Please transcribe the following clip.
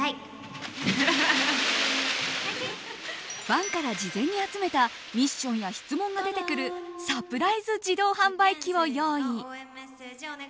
ファンから事前に集めたミッションや質問が出てくるサプライズ自販機を用意。